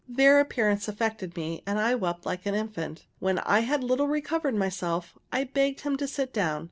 Their appearance affected me, and I wept like an infant. When I had a little recovered myself, I begged him to sit down.